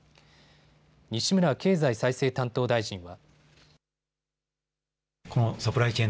西村経済再生担当大臣は。